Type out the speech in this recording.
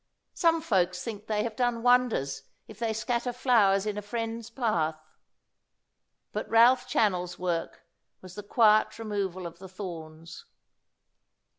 Some folks think they have done wonders if they scatter flowers in a friend's path, but Ralph Channell's work was the quiet removal of the thorns.